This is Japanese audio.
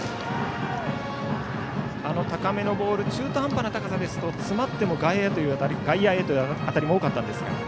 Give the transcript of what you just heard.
あの高めのボール中途半端な高さですと詰まっても外野へという当たりも多かったんですが。